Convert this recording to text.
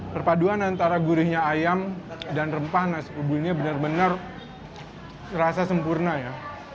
perpaduan antara gurihnya ayam dan rempah nasi kebulinya benar benar rasa sempurna ya